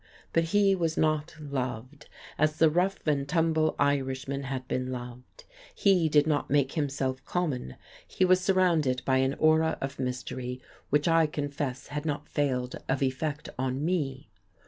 But he was not loved, as the rough and tumble Irishmen had been loved; he did not make himself common; he was surrounded by an aura of mystery which I confess had not failed of effect on me.